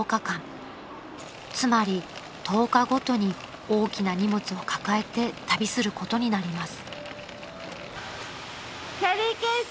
［つまり１０日ごとに大きな荷物を抱えて旅することになります］